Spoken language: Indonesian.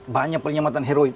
banyak penyelamatan heroik